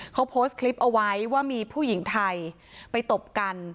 เขาโพสต์คลิปเอาไว้ว่ามีผู้หญิงไทยไปตบกัน